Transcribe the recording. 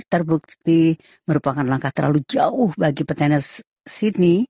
terbukti merupakan langkah terlalu jauh bagi petenis sydney